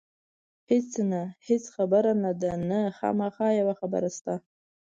هېڅ نه، هېڅ خبره نه ده، نه، خامخا یوه خبره شته.